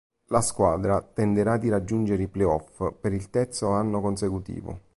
La squadra tenterà di raggiungere i playoff per il terzo anno consecutivo.